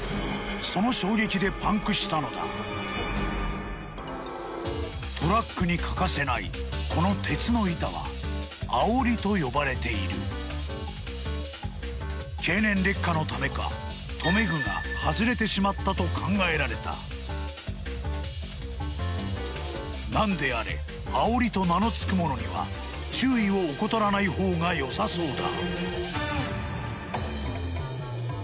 その衝撃でパンクしたのだトラックに欠かせないこの鉄の板は「あおり」と呼ばれている経年劣化のためか留め具が外れてしまったと考えられた何であれ「あおり」と名の付くものには注意を怠らないほうがよさそうだ